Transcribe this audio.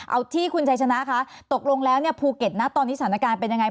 เอาที่คุณชัยชนะคะตกลงแล้วเนี่ยภูเก็ตนะตอนนี้สถานการณ์เป็นยังไง